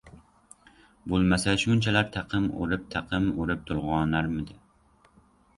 Bo‘lmasa, shunchalar taqim urib-taqim urib to‘lg‘onarmidi?